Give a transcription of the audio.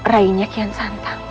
rainya kian santan